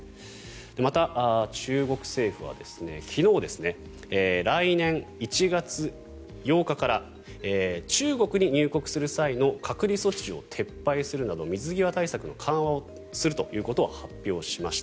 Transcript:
また、中国政府は昨日来年１月８日から中国に入国する際の隔離措置を撤廃するなど水際対策の緩和をするということを発表しました。